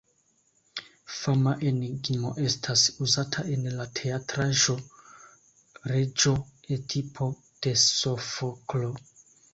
Fama enigmo estas uzata en la teatraĵo "Reĝo Edipo" de Sofoklo.